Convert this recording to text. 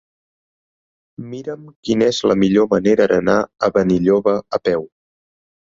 Mira'm quina és la millor manera d'anar a Benilloba a peu.